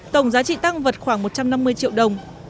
tổng giá trị tăng vật khoảng một trăm năm mươi triệu đồng